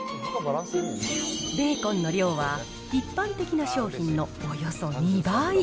ベーコンの量は一般的な商品のおよそ２倍。